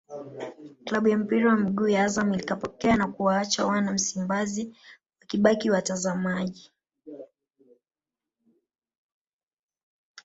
klabu ya mpira wa miguu ya Azam ikapokea na kuwaacha wana Msimbazi wakibaki watazamaji